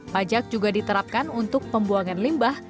pajak juga diterapkan untuk pembuangan limbah